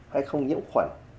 hay không nhiễm khuẩn